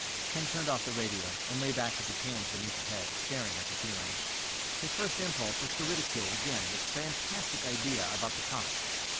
Ken turned off the radio and lay back with his hands beneath his head, staring at the ceiling. His first impulse was to ridicule again this fantastic idea about the comet.